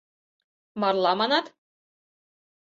— Марла, манат?!